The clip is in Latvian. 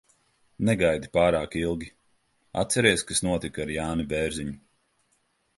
Negaidi pārāk ilgi. Atceries, kas notika ar Jāni Bērziņu?